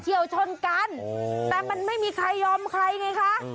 เฉียวชนกันแต่มันไม่มีใครยอมใครไงคะ